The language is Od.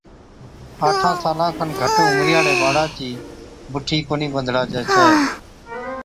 آٺان سالان کن گھٽ عمرِي ھاڙي ٻاڙا چِي بُٺِي ڪونھِي ٻنڌڙاجَي ڇَي۔